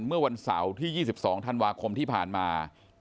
เมื่อวันเสาร์ที่๒๒ธันวาคมที่ผ่านมา